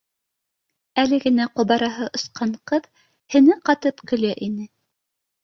Әле генә ҡобараһы осҡан ҡыҙ һене ҡатып көлә ине